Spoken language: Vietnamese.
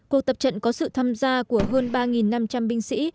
cuộc tập trận có sự tham gia của hơn ba năm trăm linh binh sĩ